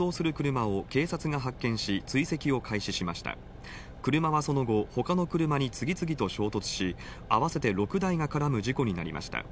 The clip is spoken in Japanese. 車はその後他の車に次々と衝突し合わせて６台が絡む事故になりました。